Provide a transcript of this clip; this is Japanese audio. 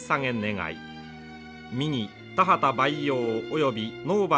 右田畑培養および農馬